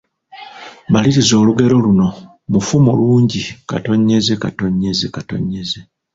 Maliriza olugero luno, Mufu mulungi …